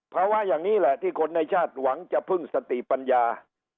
ภาวะอย่างนี้แหละที่คนในชาติหวังจะพึ่งสติปัญญา